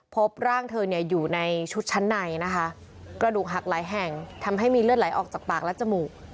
พบร่างเธอเนี่ยอยู่ในชุดชั้นในนะคะกระดูกหักหลายแห่งทำให้มีเลือดไหลออกจากปากและจมูก